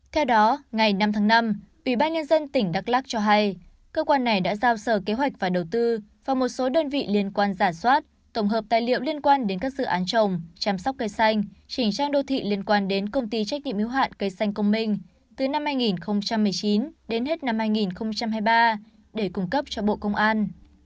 theo đó ngày năm tháng năm ủy ban nhân dân tỉnh đắk lắc cho hay cơ quan này đã giao sở kế hoạch và đầu tư vào một số đơn vị liên quan giả soát tổng hợp tài liệu liên quan đến các dự án trồng chăm sóc cây xanh chỉnh trang đô thị liên quan đến công ty trách nhiệm yếu hạn cây xanh công minh từ năm hai nghìn một mươi chín đến hết năm hai nghìn hai mươi ba